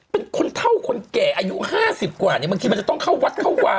เป็นคนเท่าคนแก่อายุห้าสิบกว่านี้มึงคิดมันจะต้องเข้าวัดเข้าวา